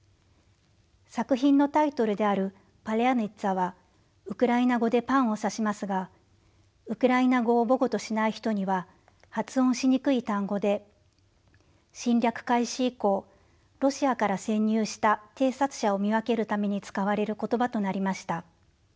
作品のタイトルである「パリャヌィツャ」はウクライナ語でパンを指しますがウクライナ語を母語としない人には発音しにくい単語で侵略開始以降ロシアから潜入した偵察者を見分けるために使われる言葉となりました。